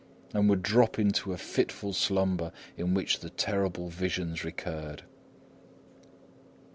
and would drop into a fitful slumber in which the terrible visions recurred.